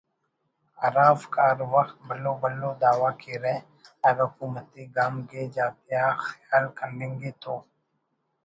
ہرافک ہر وخت بھلو بھلو دعویٰ کیرہ اگہ حکومتی گام گیج آتیا خیال کننگے تو